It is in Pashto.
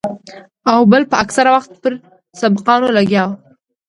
او بل به اکثره وخت پر سبقانو لګيا وو.